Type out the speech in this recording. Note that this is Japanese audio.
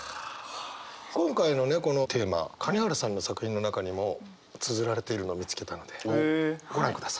今回のねこのテーマ金原さんの作品の中にもつづられているのを見つけたのでご覧ください。